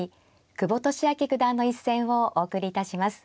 久保利明九段の一戦をお送りいたします。